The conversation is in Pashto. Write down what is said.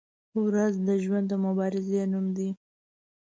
• ورځ د ژوند د مبارزې نوم دی.